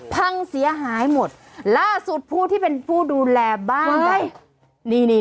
พังเสียหายหมดล่าสุดผู้ที่เป็นผู้ดูแลบ้านนี่นี่